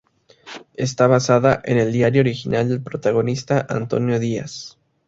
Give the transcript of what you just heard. Está basada en el diario original del protagonista, Antonio Díaz.